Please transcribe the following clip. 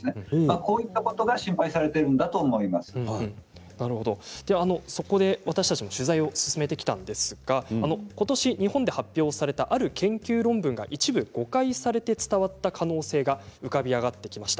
こういったことがそこで私たちも取材を進めてきたんですがことし日本で発表されたある研究論文が一部誤解されて伝わった可能性が浮かび上がってきました。